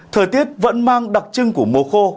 thời tiết vẫn mang đặc trưng của mùa khô